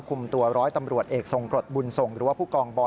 คุมตัวร้อยตำรวจเอกทรงกรดบุญส่งหรือว่าผู้กองบอ